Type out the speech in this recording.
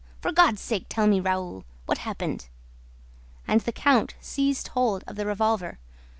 For God's sake, tell me, Raoul: what happened?" And the count seized hold of the revolver.